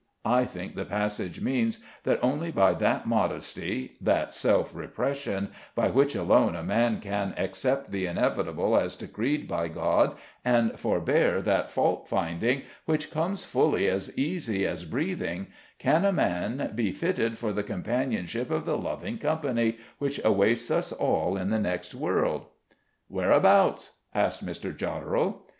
I think the passage means that only by that modesty, that self repression, by which alone a man can accept the inevitable as decreed by God, and forbear that fault finding which comes fully as easy as breathing, can a man be fitted for the companionship of the loving company which awaits us all in the next world" "Whereabouts?" asked Mr. Jodderel.